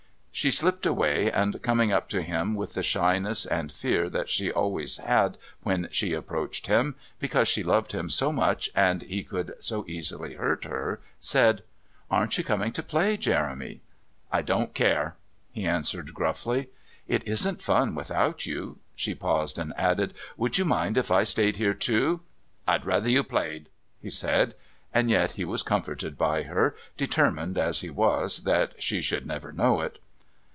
She slipped away, and, coming up to him with the shyness and fear that she always had when she approached him, because she loved him so much and he could so easily hurt her, said: "Aren't you coming to play, Jeremy?" "I don't care," he answered gruffly. "It isn't any fun without you." She paused, and added: "Would you mind if I stayed here too?" "I'd rather you played," he said; and yet he was comforted by her, determined, as he was, that she should never know it!